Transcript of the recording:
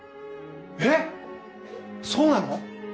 えッそうなの？